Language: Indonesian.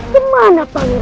kemana paman anggajar